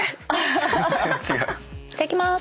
いただきます。